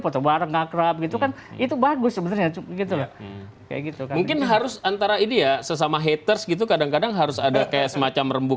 foto bareng ngakrab gitu kan itu bagus sebenarnya gitu kayak gitu mungkin harus antara ide sesama